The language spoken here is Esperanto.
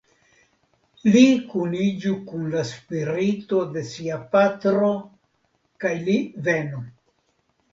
Li kuniĝu kun la spirito de sia patro kaj li venu!